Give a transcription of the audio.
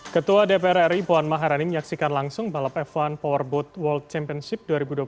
ketua dpr ri puan maharani menyaksikan langsung balap f satu powerboat world championship dua ribu dua puluh